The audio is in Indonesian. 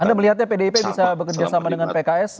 anda melihatnya pdip bisa bekerja sama dengan pks